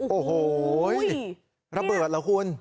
โอ้โหระเบิดเหรอคุณ